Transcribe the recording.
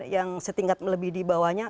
yang setingkat melebih di bawahnya